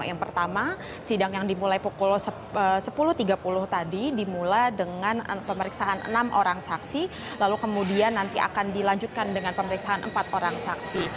yang pertama sidang yang dimulai pukul sepuluh tiga puluh tadi dimulai dengan pemeriksaan enam orang saksi lalu kemudian nanti akan dilanjutkan dengan pemeriksaan empat orang saksi